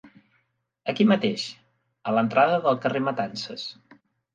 Aquí mateix, a l'entrada del carrer Matances.